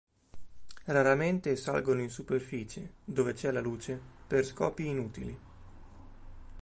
Raramente salgono in superficie, dove c'è la luce, per scopi inutili.